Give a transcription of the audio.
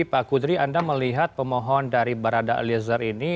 pak kudri anda melihat pemohon dari barada eliezer ini